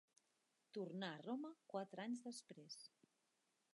Tornà a Roma quatre anys després.